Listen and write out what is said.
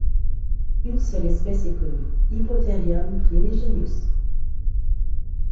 Une seule espèce est connue Hippotherium primigenius.